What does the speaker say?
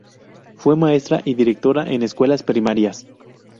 Fue maestra y directora en escuelas primarias.